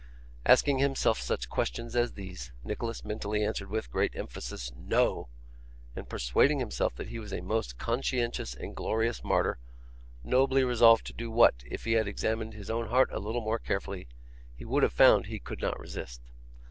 Asking himself such questions as these, Nicholas mentally answered with great emphasis 'No!' and persuading himself that he was a most conscientious and glorious martyr, nobly resolved to do what, if he had examined his own heart a little more carefully, he would have found he could not resist.